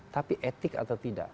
tapi etik atau tidak